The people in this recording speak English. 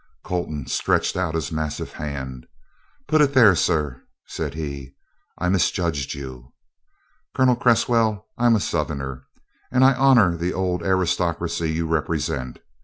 Colton stretched out his massive hand. "Put it there, sir," said he; "I misjudged you, Colonel Cresswell. I'm a Southerner, and I honor the old aristocracy you represent.